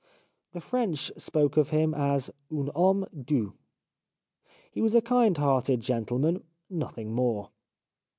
The French spoke of him as un homme doux. He was a kind hearted gentleman, nothing more.